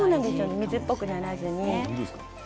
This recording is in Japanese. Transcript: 水っぽくならずにね。